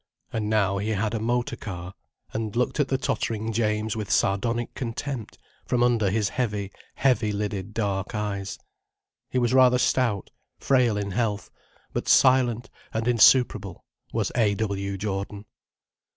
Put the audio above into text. And now he had a motor car, and looked at the tottering James with sardonic contempt, from under his heavy, heavy lidded dark eyes. He was rather stout, frail in health, but silent and insuperable, was A. W. Jordan.